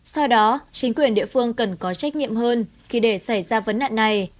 sau đó chính quyền địa phương cần có trách nhiệm hơn khi để xảy ra vấn đạn này